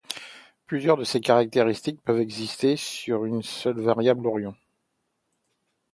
Plusieurs de ces caractéristiques peuvent exister sur une seule variable Orion.